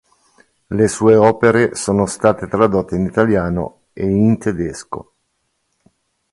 Le sue opere sono state tradotte in italiano e in tedesco.